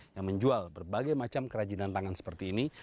yang menjual berbagai macam kerajinan tangan seperti ini